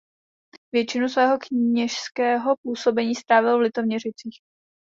Většinu svého kněžského působení strávil v Litoměřicích.